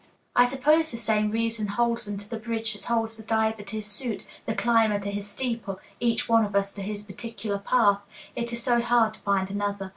I suppose the same reason holds them to the bridge that holds the diver to his suit, the climber to his steeple, each one of us to his particular path it is so hard to find another.